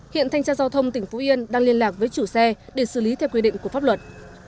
hiện thanh tra giao thông tỉnh phú yên đang liên lạc với chủ xe để xử lý theo quy định của pháp luật